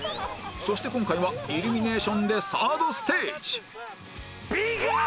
そして今回はイルミネーションでサードステージ